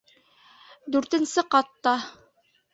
Дүртенсе ҡатта!